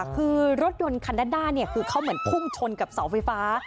คือรถยนต์คันด้านหน้าคือเขาเหมือนพุ่งชนกับเสาไฟฟ้า